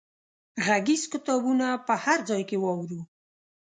غږیز کتابونه په هر ځای کې واورو.